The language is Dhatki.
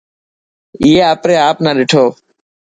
اي آپري آپ نا ڏٺو.